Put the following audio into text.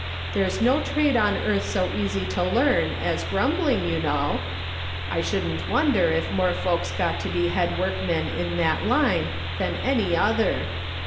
There's no trade on earth so easy to learn as grumbling, you know. I shouldn't wonder if more folks got to be head workmen in that line than any other.